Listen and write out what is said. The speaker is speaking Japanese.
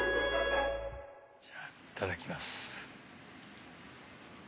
じゃあいただきます。